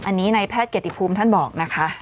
อันนี้ในแพทย์เกียรติภูมิท่านบอกนะคะ